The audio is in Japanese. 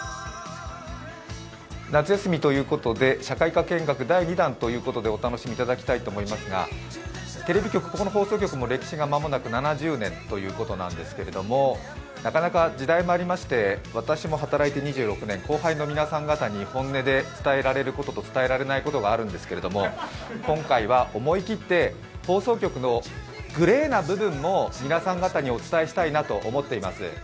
夏休みということで社会科見学第２弾ということでお楽しみいただきたいと思いますが、テレビ局、ここの放送局、歴史が間もなく７０年ということなんですけれどもなかなか時代もありまして私も働いて２６年、後輩の皆さん方に、本音で伝えられることと伝えられないことがあるんですけど今回は思い切って放送局のグレーな部分も皆さん方にお伝えしたいなと思っています。